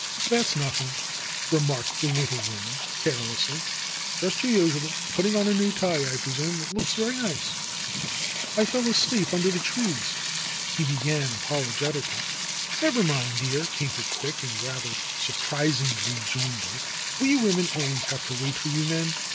"That's nothing," remarked the little woman care lessly. "Just your usual. Putting on a new tie, I pre sume. It looks very nice." "I fell asleep under the trees — he began apologeti cally. "Never mind, dear," came her quick and rather sur prising rejoinder. "We women always have to wait for you men.